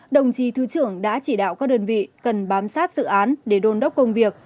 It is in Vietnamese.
đồng chí thứ trưởng đã chỉ đạo các đơn vị cần bám sát dự án để đôn đốc công việc